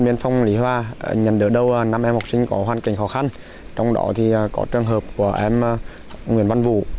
em học sinh có hoàn cảnh khó khăn trong đó thì có trường hợp của em nguyễn văn vũ